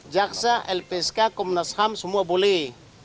jaksa lpsk komnas ham semua boleh